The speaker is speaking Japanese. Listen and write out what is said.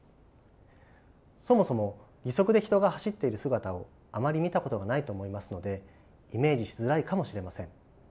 そもそも義足で人が走っている姿をあまり見たことがないと思いますのでイメージしづらいかもしれません。